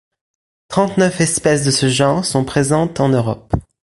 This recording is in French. Trente-neuf espèces de ce genre sont présentes en Europe.